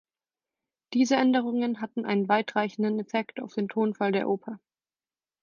Diese Änderungen hatten einen weitreichenden Effekt auf den Tonfall der Oper.